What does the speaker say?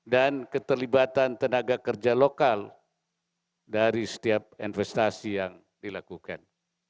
dan keterlibatan tenaga kerja lokal dari setiap investasi yang dilakukan